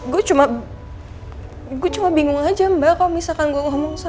gua cuma gua cuma bingung aja mbak kalau misalkan gua ngomong sama lo pasti bakal